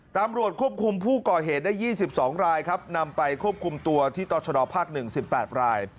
ตำรวจควบคุมผู้ก่อเหตุได้๒๒รายครับนำไปควบคุมตัวที่ต่อชดภาค๑๘ราย